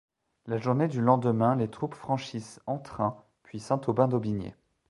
La journée du lendemain les troupes franchissent Antrain, puis Saint-Aubin d'Aubigné.